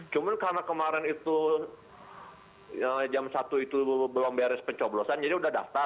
cuma karena kemarin itu jam satu itu belum beres pencoblosan jadi sudah daftar